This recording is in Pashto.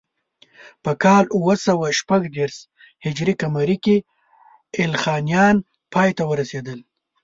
په کال اوه سوه شپږ دېرش هجري قمري کې ایلخانیان پای ته ورسېدل.